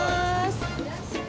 いらっしゃいませ。